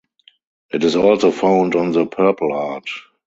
It is also found on the Purple Heart.